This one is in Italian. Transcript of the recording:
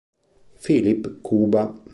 Filip Kuba